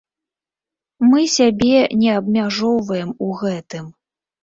Мы сябе не абмяжоўваем у гэтым.